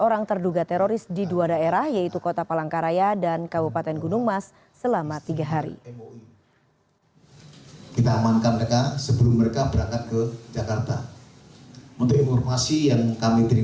orang terduga teroris di dua daerah yaitu kota palangkaraya dan kabupaten gunung mas selama tiga hari